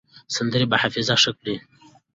سندرې به حافظه ښه کړي.